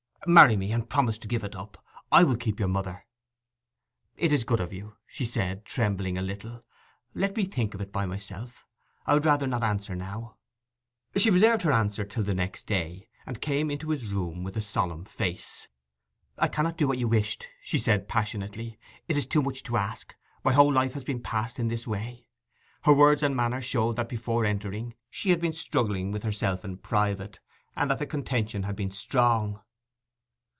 'Marry me, and promise to give it up. I will keep your mother.' 'It is good of you,' she said, trembling a little. 'Let me think of it by myself. I would rather not answer now.' She reserved her answer till the next day, and came into his room with a solemn face. 'I cannot do what you wished!' she said passionately. 'It is too much to ask. My whole life ha' been passed in this way.' Her words and manner showed that before entering she had been struggling with herself in private, and that the contention had been strong.